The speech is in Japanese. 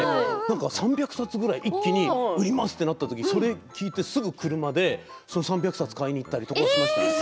３００冊ぐらい一気に売りますとなった時それを聞いてすぐ、車で３００冊買いに行ったりしますよ。